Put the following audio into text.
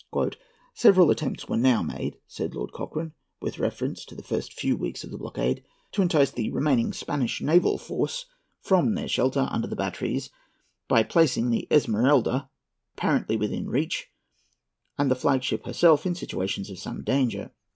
"Several attempts were now made," said Lord Cochrane, with reference to the first few weeks of the blockade, "to entice the remaining Spanish naval force from their shelter under the batteries by placing the Esmeralda apparently within reach, and the flagship herself in situations of some danger.